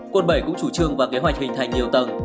quận bảy cũng chủ trương và kế hoạch hình thành nhiều tầng